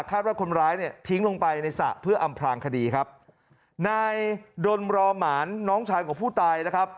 ว่าคนร้ายเนี่ยทิ้งลงไปในสระเพื่ออำพลางคดีครับนายดนรอหมานน้องชายของผู้ตายนะครับ